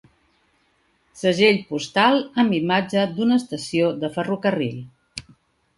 Segell postal amb imatge d'una estació de ferrocarril